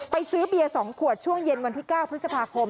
ซื้อเบียร์๒ขวดช่วงเย็นวันที่๙พฤษภาคม